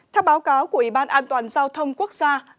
theo báo cáo của ủy ban an toàn giao thông quốc gia